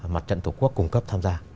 mặt trận tổ quốc cung cấp tham gia